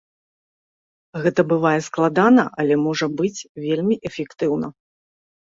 Гэта бывае складана, але можа быць вельмі эфектыўна.